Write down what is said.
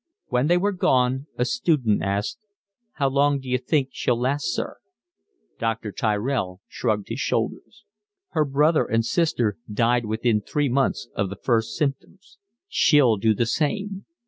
When they were gone a student asked: "How long d'you think she'll last, sir?" Dr. Tyrell shrugged his shoulders. "Her brother and sister died within three months of the first symptoms. She'll do the same.